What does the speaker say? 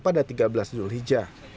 pada tiga belas julhijjah